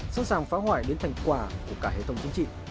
sẵn sàng phá hoại đến thành quả của cả hệ thống chính trị